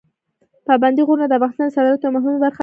پابندي غرونه د افغانستان د صادراتو یوه مهمه برخه ده.